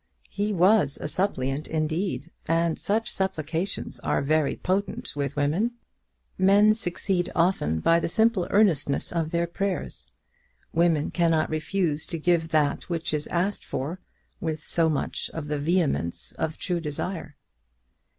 He was a suppliant indeed, and such supplications are very potent with women. Men succeed often by the simple earnestness of their prayers. Women cannot refuse to give that which is asked for with so much of the vehemence of true desire.